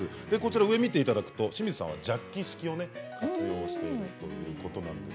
上を見ていただくと清水さんはジャッキ式を活用しているということです。